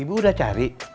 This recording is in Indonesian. ibu udah cari